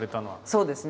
そうですね。